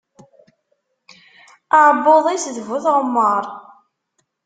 Aɛebbuḍ-is, d bu tɣemmaṛ.